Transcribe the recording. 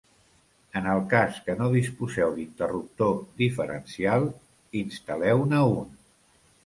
En el cas que no disposeu d'interruptor diferencial, instal·leu-ne un.